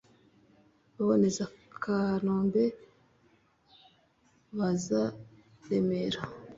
Baboneza Kanombe, baza Remera;